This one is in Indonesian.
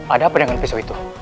ada apa dengan pisau itu